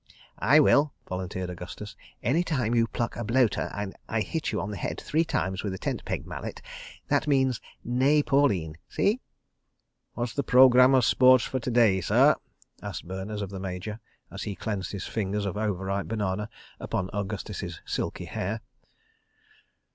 "I will," volunteered Augustus. "Any time you pluck a bloater and I hit you on the head three times with the tent peg mallet, that means 'Nay, Pauline.' See?" ... "What's the Programme of Sports for to day, sir?" asked Berners of the Major, as he cleansed his fingers of over ripe banana upon Augustus's silky hair.